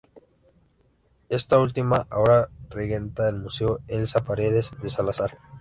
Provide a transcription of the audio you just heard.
Esta última ahora regenta el Museo Elsa Paredes de Salazar.